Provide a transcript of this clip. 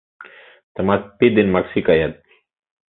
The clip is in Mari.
Тымапи ден Макси каят.